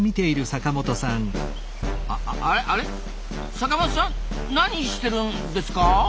阪本さん何してるんですか？